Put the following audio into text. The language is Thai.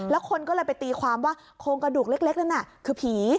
แล้วคนก็เลยไปตีความว่าโครงกระดูกเล็กนั้นน่ะคือผี